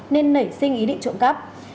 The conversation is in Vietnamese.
nên nảy sinh ý định trộm cắp